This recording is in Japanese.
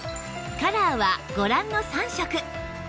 カラーはご覧の３色